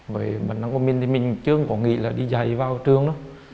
với bản năng của mình thì mình chưa có nghĩ là đi dạy vào trường đâu